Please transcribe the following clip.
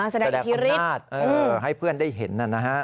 แสดงอิทธิฤทธิ์เออให้เพื่อนได้เห็นนั่นนะ